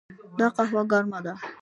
دا قهوه ګرمه ده.